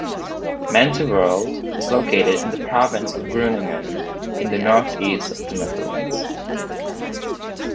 Menterwolde is located in the province of Groningen in the northeast of the Netherlands.